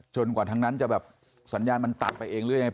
กว่าทั้งนั้นจะแบบสัญญาณมันตัดไปเองหรือยังไง